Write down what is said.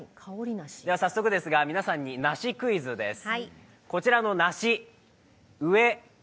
早速ですが、皆さんに梨クイズです。